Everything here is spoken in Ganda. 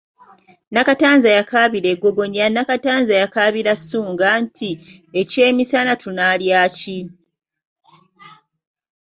Nakatanza yakaabira e Ggogonya Nakatanza yakaabira Ssunga Nti ekyemisana tunaalya ki?